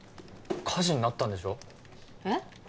火事になったんでしょえっ？